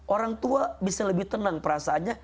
orang tua bisa lebih tenang perasaannya